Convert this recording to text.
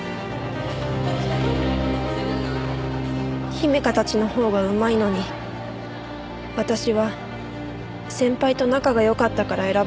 姫花たちのほうがうまいのに私は先輩と仲が良かったから選ばれただけで。